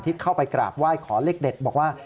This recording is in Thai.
เข้าไปกราบไหว้ขอเลขเด็ดบอกว่า